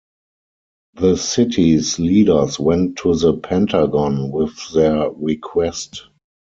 The city's leaders went to The Pentagon with their request.